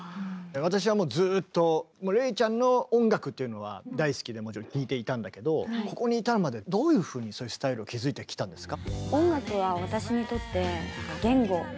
私はもうずっとＲｅｉちゃんの音楽っていうのは大好きでもちろん聴いていたんだけどここに至るまでどういうふうにスタイルを築いてきたんですか？